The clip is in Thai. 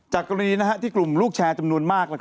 กรณีที่กลุ่มลูกแชร์จำนวนมาก